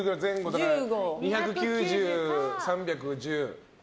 ２９０、３１０。